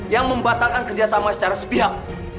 yang membatalkan kerja sama secara sepihak